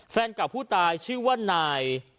แฟนเก่าผู้ตายชื่อว่านาย